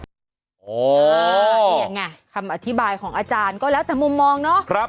อ๋อเนี้ยไงคำอธิบายของอาจารย์ก็แล้วแต่มุมมองเนอะครับ